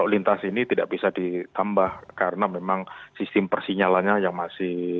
lintas ini tidak bisa ditambah karena memang sistem persinyalannya yang masih